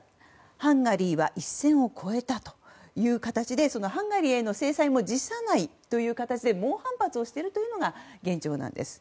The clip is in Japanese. ハンガリーは一線を越えたという形でハンガリーへの制裁も辞さないという形で猛反発しているのが現状です。